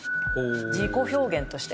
自己表現として。